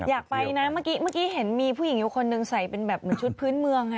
อยากไปนะเมื่อกี้เห็นมีผู้หญิงอยู่คนหนึ่งใส่เป็นแบบหนูชุดพื้นเมืองไง